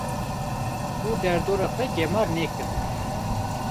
Û derdora xwe gemar nekin.